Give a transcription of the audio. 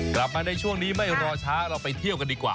กลับมาในช่วงนี้ไม่รอช้าเราไปเที่ยวกันดีกว่า